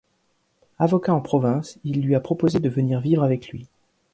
Avocat en province, il lui a proposé de venir vivre avec lui.